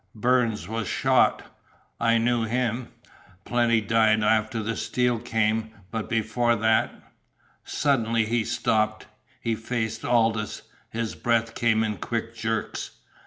Burns was shot. I knew him. Plenty died after the steel came, but before that " Suddenly he stopped. He faced Aldous. His breath came in quick jerks.